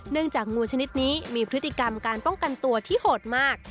เนื่องจากงูชนิดนี้มีพฤติกรรมการป้องกันตัวที่หดมาก